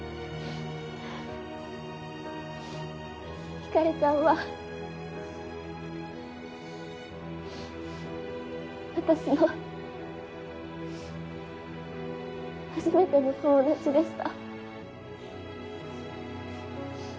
ひかりちゃんは私の初めての友達でした。